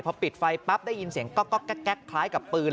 พอปิดไฟปั๊บได้ยินเสียงก๊อกแก๊กคล้ายกับปืน